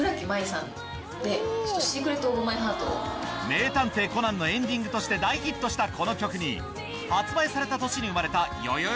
『名探偵コナン』のエンディングとして大ヒットしたこの曲に発売された年に生まれたよよよ